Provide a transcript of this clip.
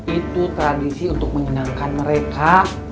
itu tradisi untuk menyenangkan mereka